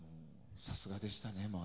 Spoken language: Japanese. さすがでしたね。